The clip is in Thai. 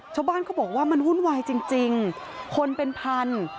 ชาวบ้านเขาบอกว่ามันวุ่นวายจริงคนเป็นพัน